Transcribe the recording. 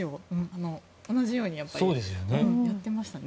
同じように言っていましたね。